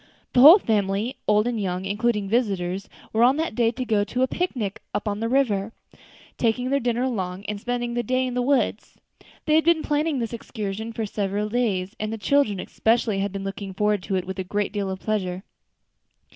The whole family, old and young, including visitors, were on that day to go on a picnic up the river, taking their dinner along, and spending the day in the woods. They had been planning this excursion for several days, and the children especially had been looking forward to it with a great deal of pleasure.